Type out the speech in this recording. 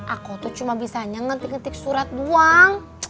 aku tuh cuma bisa nyentik ngetik surat doang